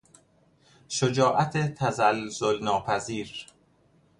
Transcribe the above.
شجاعت تزلزل ناپذیر